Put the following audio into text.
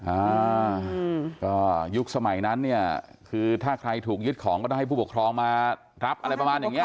อ่าก็ยุคสมัยนั้นเนี่ยคือถ้าใครถูกยึดของก็ต้องให้ผู้ปกครองมารับอะไรประมาณอย่างเนี้ย